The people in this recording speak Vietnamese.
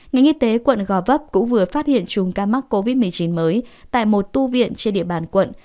ngành y tế quận gò vấp cũng vừa phát hiện chùm ca mắc covid một mươi chín mới tại một tu viện trên địa bàn quận